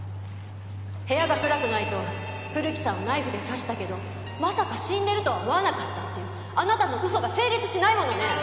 部屋が暗くないと古木さんをナイフで刺したけどまさか死んでるとは思わなかったっていうあなたの嘘が成立しないものね！